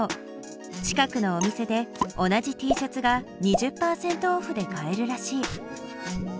近くのお店で同じＴシャツが２０％オフで買えるらしい。